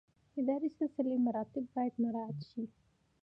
اداري سلسله مراتب باید مراعات شي